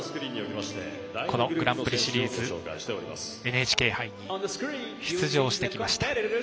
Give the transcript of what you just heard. このグランプリシリーズＮＨＫ杯に出場してきました。